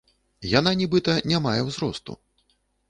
Яна нібыта не мае ўзросту.